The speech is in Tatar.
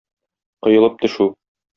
Коелып төшү.